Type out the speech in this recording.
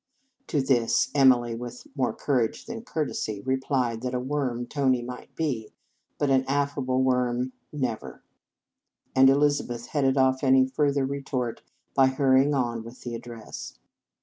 To this, Emily, with more courage than courtesy, replied that a worm Tony might be, but an affable worm, never; and Elizabeth headed off any further retort by hur rying on with the address.